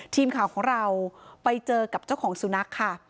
ทีมข่าวของเราไปเจอกับเจ้าของสุนัขค่ะ